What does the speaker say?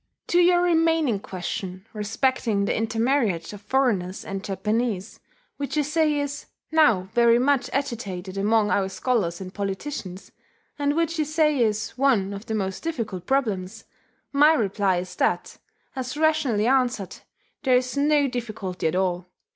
To your remaining question respecting the intermarriage of foreigners and Japanese, which you say is "now very much agitated among our scholars and politicians" and which you say is "one of the most difficult problems," my reply is that, as rationally answered, there is no difficulty at all.